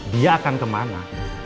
dia akan kemana